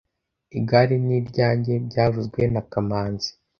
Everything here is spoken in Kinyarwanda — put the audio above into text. Igare ni ryanjye byavuzwe na kamanzi